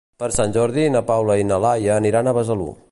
Per Sant Jordi na Paula i na Laia aniran a Besalú.